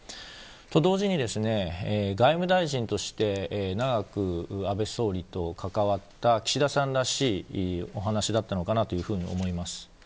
と同時に、外務大臣として長く安倍総理と関わってきた岸田さんらしいお話だったのかなと思います。